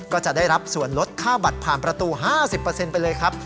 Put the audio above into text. ก็จะได้รับส่วนลดค่าบัตรผ่านประตู๕๐ไปเลยครับ